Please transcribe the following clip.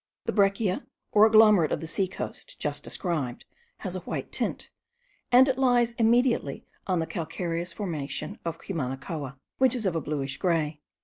The breccia, or agglomerate of the sea coast, just described, has a white tint, and it lies immediately on the calcareous formation of Cumanacoa, which is of a bluish grey.